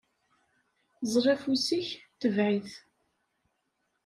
Ẓẓel afus-ik, tbeɛ-it!